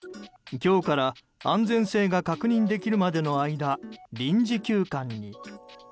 今日から安全性が確認できるまでの間臨時休館に。